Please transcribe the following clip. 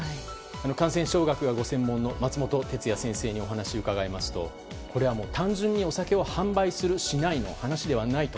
感染症学がご専門の松本哲哉先生にお話を伺いますとこれは単純にお酒を販売する、しないの話ではないと。